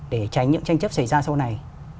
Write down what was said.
để tránh những tranh chấp xảy ra sau này